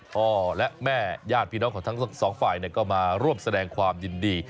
พ่อแม่ญาติพี่น้องของทั้งสองฝ่ายก็มาร่วมแสดงความยินดี